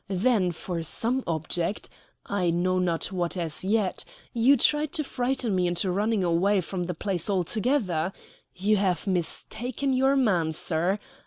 Then for some object, I know not what as yet, you tried to frighten me into running away from the place altogether. You have mistaken your man, sir.